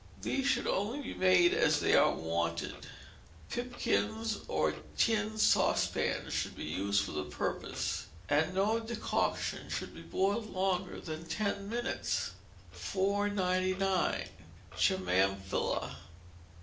These should only be made as they are wanted; pipkins or tin saucepans should be used for the purpose; and no decoction should be boiled longer than ten minutes. 499. Chimaphila.